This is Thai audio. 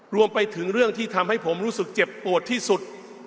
รวมไปถึงเรื่องที่ทำให้ผมรู้สึกเจ็บปวดที่สุด